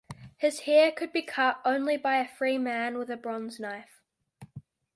His hair could be cut only by a free man with a bronze knife.